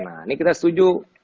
nah ini kita setuju